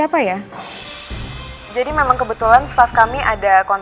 apakah anda menemukan r theater full month ini